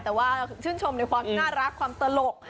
แต่ว่าชื่นชมในความน่ารักความตลก